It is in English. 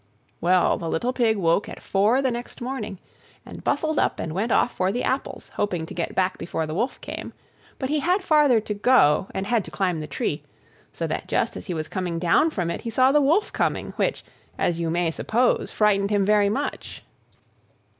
Well, the little Pig woke at four the next morning, and bustled up, and went off for the apples, hoping to get back before the Wolf came; but he had farther to go, and had to climb the tree, so that just as he was coming down from it, he saw the Wolf coming, which, as you may suppose, frightened him very much.